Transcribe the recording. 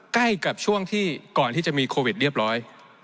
ใกล้กับช่วงที่ก่อนที่จะมีโควิดเรียบร้อย